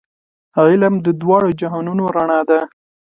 علم د دواړو جهانونو رڼا ده.